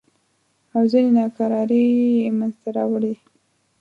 او ځینې ناکرارۍ یې منځته راوړې.